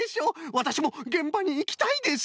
わたしもげんばにいきたいです。